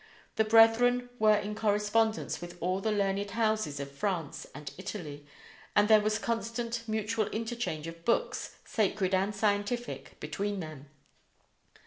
The brethren were in correspondence with all the learned houses of France and Italy, and there was constant mutual interchange of books, sacred and scientific, between them.